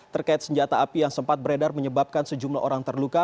terkait senjata api yang sempat beredar menyebabkan sejumlah orang terluka